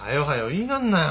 言いなんなよ